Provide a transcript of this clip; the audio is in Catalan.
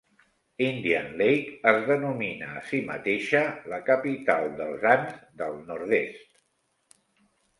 Indian Lake es denomina a si mateixa la "capital dels ants del nord-est".